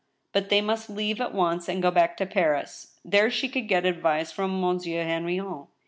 But they must leave at once and go back to Paris. There she could get advice from Monsieur Heniion.